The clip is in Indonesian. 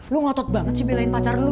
lu ngotot banget sih belain pacar lu